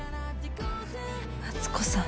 松子さん。